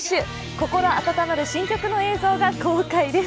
心温まる新曲の映像が公開です。